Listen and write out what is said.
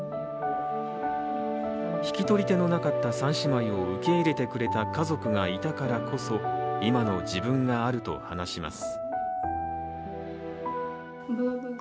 引き取り手のなかった３姉妹を受け入れてくれた家族がいたからこそ今の自分があると話します。